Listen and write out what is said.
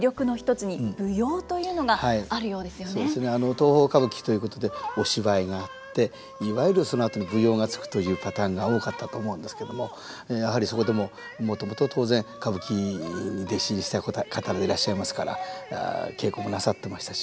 東宝歌舞伎ということでお芝居があっていわゆるそのあとに舞踊がつくというパターンが多かったと思うんですけどもやはりそこでももともと当然歌舞伎に弟子入りした方でいらっしゃいますから稽古もなさってましたし。